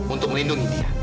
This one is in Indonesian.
untuk melindungi dia